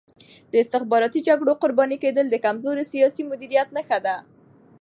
د استخباراتي جګړو قرباني کېدل د کمزوري سیاسي مدیریت نښه ده.